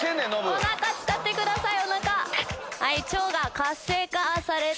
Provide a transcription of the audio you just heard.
お腹使ってください。